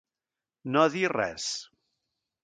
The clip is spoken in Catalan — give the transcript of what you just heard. No dir res.